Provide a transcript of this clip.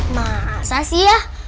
masa sih ya